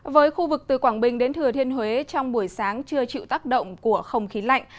với khu vực từ quảng bình đến thừa thiên huế trong buổi sáng chưa chịu tác động của không khí lạnh